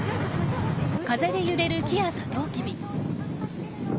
風で揺れる木やサトウキビ。